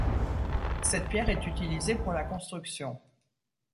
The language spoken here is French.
Cette pierre est utilisée pour la construction.